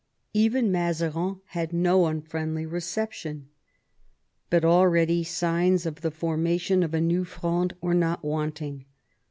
Even Mazarin had no un friendly reception. But already signs of the formation of a new Fronde were not wanting.